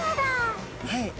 はい。